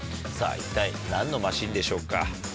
さぁ一体何のマシンでしょうか？